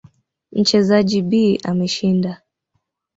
Mchezaji B ameshinda.